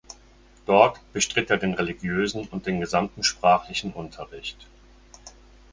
Dort bestritt er den religiösen und den gesamten sprachlichen Unterricht.